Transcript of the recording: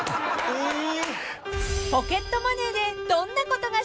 ・えっ！？